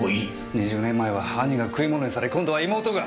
２０年前は兄が食い物にされ今度は妹が！